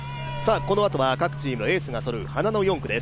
このあとは各チームのエースがそろう花の４区です。